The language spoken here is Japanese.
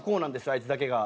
あいつだけが。